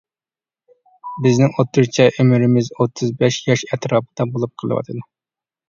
بىزنىڭ ئوتتۇرىچە ئۆمرىمىز ئوتتۇز بەش ياش ئەتراپىدا بولۇپ قېلىۋاتىدۇ.